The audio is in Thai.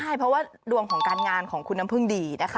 ใช่เพราะว่าดวงของการงานของคุณน้ำพึ่งดีนะคะ